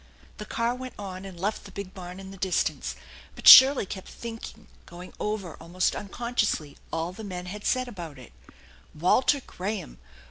The car went on, and left the big barn in the distance; but Shirley kept thinking, going over almost unconsciously all the men had said about it. Walter Graham